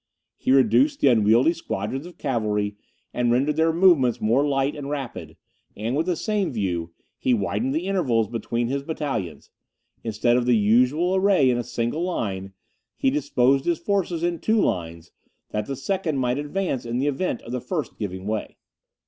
He reduced the unwieldy squadrons of cavalry, and rendered their movements more light and rapid; and, with the same view, he widened the intervals between his battalions. Instead of the usual array in a single line, he disposed his forces in two lines, that the second might advance in the event of the first giving way.